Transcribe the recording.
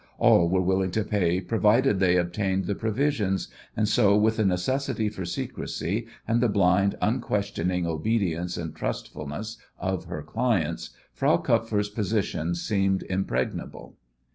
All were willing to pay provided they obtained the provisions, and so with the necessity for secrecy and the blind, unquestioning obedience and trustfulness of her clients, Frau Kupfer's position seemed impregnable.